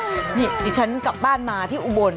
นี่ถึงฉันกลับบ้านมาที่อุบลค่ะ